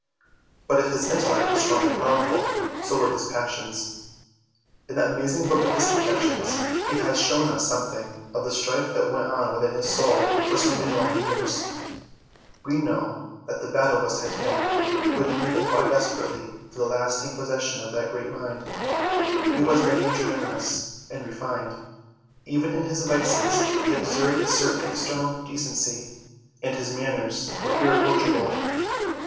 But if his intellect was strong and powerful, so were his passions. In that amazing book of his Confessions he has shown us something of the strife that went on within his soul for so many long years : we know that the battle was Titanic. Good and evil fought desperately for the lasting possession II2 of that great mind. He was by nature generous and re fined. Even in his vices he observed a certain external decency, and his manners were irreproachable.